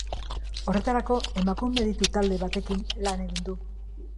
Horretarako emakume aditu-talde batekin lan egin du.